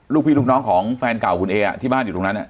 ลูกพี่ลูกน้องของแฟนเก่าคุณเอที่บ้านอยู่ตรงนั้น